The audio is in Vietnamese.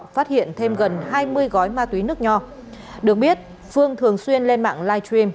phát hiện thêm gần hai mươi gói ma túy nước nho được biết phương thường xuyên lên mạng live stream